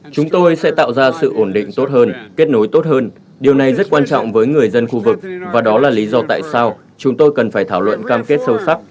chúng tôi sẽ tạo ra sự ổn định tốt hơn kết nối tốt hơn điều này rất quan trọng với người dân khu vực và đó là lý do tại sao chúng tôi cần phải thảo luận cam kết sâu sắc